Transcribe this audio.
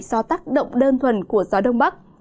do tác động đơn thuần của gió đông bắc